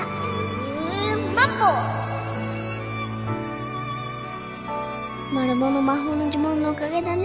ウマンボマルモの魔法の呪文のおかげだね。